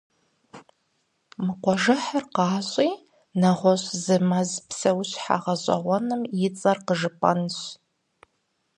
Мы къуажэхьыр къащӀи нэгъуэщӀ зы мэз псэущхьэ гъэщӀэгъуэным и цӀэр къыжыпӀэнщ.